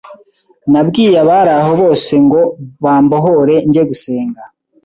nabwiye abari aho bose ngo bambohore njye gusenga